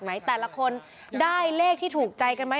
แต่ละคนได้เลขที่ถูกใจกันไหม